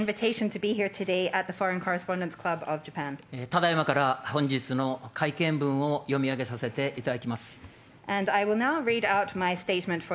ただ今から本日の会見文を読み上げさせていただきます。